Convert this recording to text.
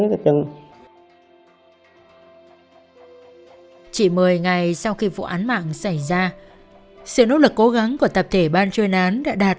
của tôi chị mời ngày sau khi vụ án mạng xảy ra sự nỗ lực cố gắng của tập thể ban chuyên án đã đạt